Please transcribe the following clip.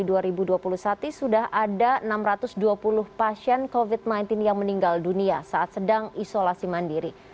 pada bulan juli dua ribu dua puluh satu sudah ada enam ratus dua puluh pasien covid sembilan belas yang meninggal dunia saat sedang isolasi mandiri